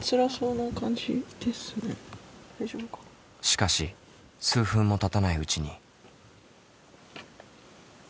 しかし数分もたたないうちに。